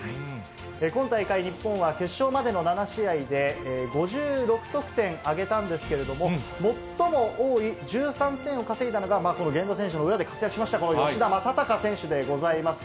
今大会、日本は決勝までの７試合で、５６得点挙げたんですけれども、最も多い１３点を稼いだのが、この源田選手の裏で活躍しました、この吉田正尚選手でございます。